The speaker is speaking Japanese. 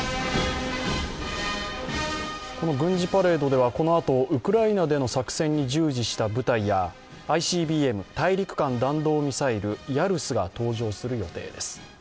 この軍事パレードではこのあと、ウクライナでの作戦に従事した部隊やＩＣＢＭ＝大陸間弾道ミサイル、ヤルスが登場する予定です。